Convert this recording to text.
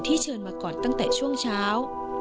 เชิญมาก่อนตั้งแต่ช่วงเช้า